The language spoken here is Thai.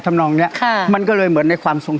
จะลองให้คนนั้น